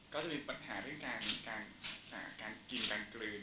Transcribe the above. ก็จะมีปัญหาเรื่องการกินการกลืน